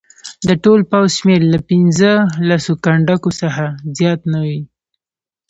د ټول پوځ شمېر له پنځه لسو کنډکو څخه زیات نه وي.